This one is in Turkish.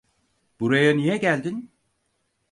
Buraya niye geldin?